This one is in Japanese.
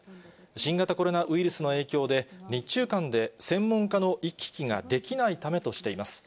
新型コロナウイルスの影響で、日中間で専門家の行き来ができないためとしています。